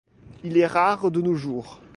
Il est rare de nos jours.